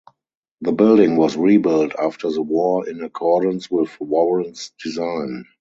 The building was rebuilt after the war in accordance with Warren's design.